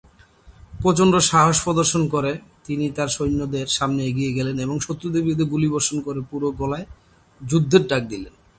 প্রচন্ড সাহস প্রদর্শন করে, তিনি তাঁর সৈন্যদের সামনে এগিয়ে গেলেন এবং শত্রুদের বিরুদ্ধে গুলিবর্ষণ করে পুরো গলায় যুদ্ধের ডাক দিলেন।